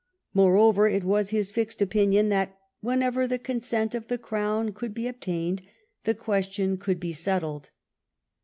Moreover, it was his fixed opinion that " whenever the consent of the Grown could be obtained, the question could be settled."